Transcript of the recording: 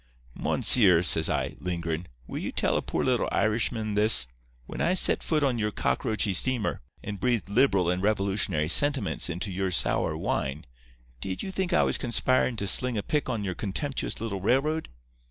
"'Monseer,' says I, lingerin', 'will you tell a poor little Irishman this: When I set foot on your cockroachy steamer, and breathed liberal and revolutionary sentiments into your sour wine, did you think I was conspirin' to sling a pick on your contemptuous little railroad?